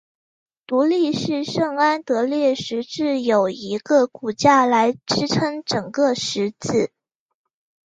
独立式圣安得烈十字有一个骨架来支撑整个十字。